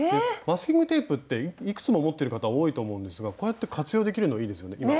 マスキングテープっていくつも持ってる方多いと思うんですがこうやって活用できるのいいですよね。